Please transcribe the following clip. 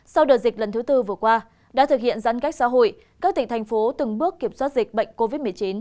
sau đợt dịch lần thứ tư vừa qua đã thực hiện giãn cách xã hội các tỉnh thành phố từng bước kiểm soát dịch bệnh covid một mươi chín